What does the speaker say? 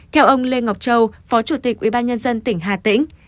theo ông lê ngọc châu phó chủ tịch ubnd tỉnh hà tĩnh